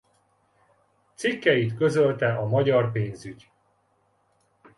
Cikkeit közölte a Magyar Pénzügy.